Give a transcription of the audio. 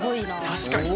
確かに。